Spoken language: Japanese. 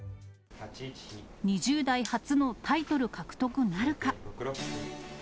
２０代初のタイトル獲得なるか。